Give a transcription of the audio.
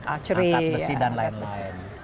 angkat besi dan lain lain